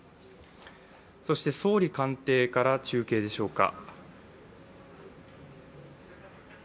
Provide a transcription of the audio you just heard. そして総理官邸から中継でしょうか。